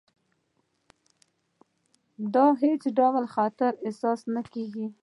د هېڅ ډول خطر احساس نه کېږي.